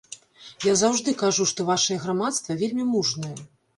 Я заўжды кажу, што вашае грамадства вельмі мужнае.